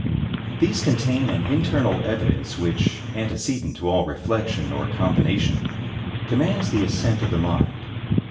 These contain an internal evidence which, antecedent to all reflection or combination, commands the assent of the mind.